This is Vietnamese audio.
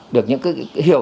được những cái hiểu